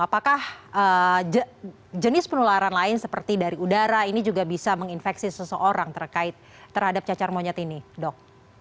apakah jenis penularan lain seperti dari udara ini juga bisa menginfeksi seseorang terhadap cacar monyet ini dok